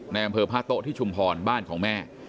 ในอำเภอพระโต๊ะที่ชุมพรบ้านของแม่